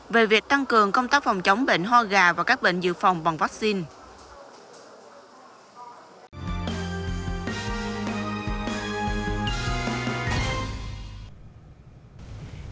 về việc tăng cường công tác phòng chống bệnh ho gà và các bệnh dự phòng bằng vaccine